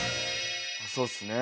そうっすね。